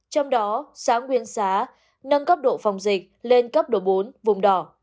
trong đó xã nguyên xá nâng cấp độ phòng dịch lên cấp độ bốn vùng đỏ